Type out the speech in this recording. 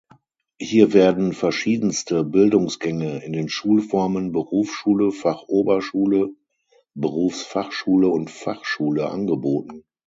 Hier werden verschiedenste Bildungsgänge in den Schulformen Berufsschule, Fachoberschule, Berufsfachschule und Fachschule angeboten.